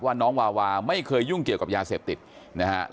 น้องวาวาไม่เคยยุ่งเกี่ยวกับยาเสพติดนะฮะ